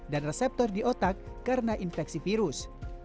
dan reseptor di otak karena infeksi virus